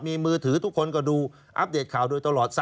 มีมือถือทุกคนก็ดูอัปเดตข่าวโดยตลอด